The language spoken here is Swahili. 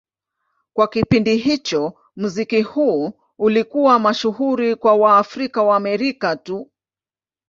Kwa kipindi hicho, muziki huu ulikuwa mashuhuri kwa Waafrika-Waamerika tu.